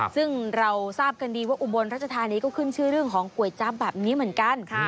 ซึ่งเราทราบกันดีว่าอุบลรัชธานีก็ขึ้นชื่อเรื่องของก๋วยจั๊บแบบนี้เหมือนกัน